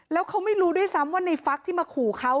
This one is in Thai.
แล้วเขาไม่รู้ด้วยซ้ำว่าในฟักที่มาขู่เขา